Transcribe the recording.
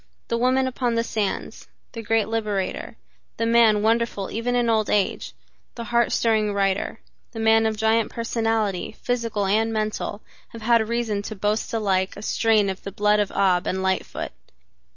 The woman upon the sands, the great liberator, the man wonderful even in old age, the heart stirring writer, the man of giant personality physical and mental, have had reason to boast alike a strain of the blood of Ab and Lightfoot.